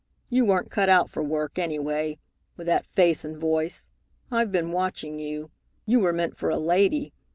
You weren't cut out for work, any way, with that face and voice. I've been watching you. You were meant for a lady.